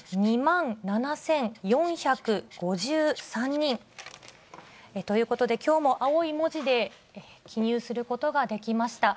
２万７４５３人。ということで、きょうも青い文字で記入することができました。